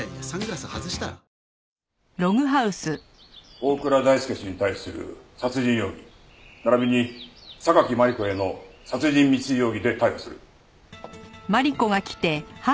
大倉大輔氏に対する殺人容疑並びに榊マリコへの殺人未遂容疑で逮捕する。